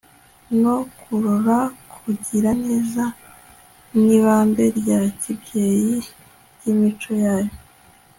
no kurora kugiraneza n ibambe rya kibyeyi byimico yayo